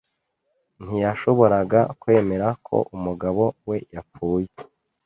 Ntiyashoboraga kwemera ko umugabo we yapfuye.